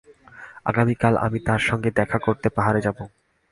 আগামী কাল আমি তাঁর সঙ্গে দেখা করতে পাহাড়ে যাব।